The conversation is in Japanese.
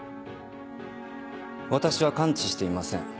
私は関知していません。